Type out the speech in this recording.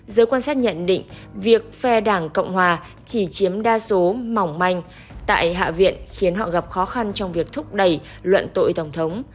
giới quan sát nhận định việc phe đảng cộng hòa chỉ chiếm đa số mỏng manh tại hạ viện khiến họ gặp khó khăn trong việc thúc đẩy luận tội tổng thống